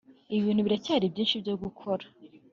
ibintu biracyari byinshi byo gukora